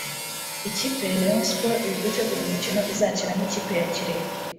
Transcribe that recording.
Ikipe ya Rayon Sports iri gutegura umukino izakiramo ikipe ya Kirehe